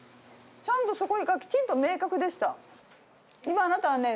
ちゃんとそこがきちんと明確でした。